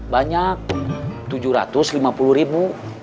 banyak tujuh ratus lima puluh ribu